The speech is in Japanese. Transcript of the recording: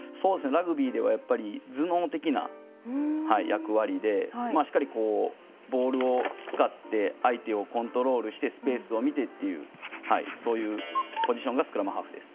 ラグビーではやっぱり頭脳的な役割でしっかりボールを使って相手をコントロールしてスペースを見てっていうそういうポジションがスクラムハーフです。